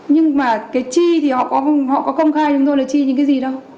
nhưng mà cái chi thì họ có công khai chúng tôi là chi những cái gì đâu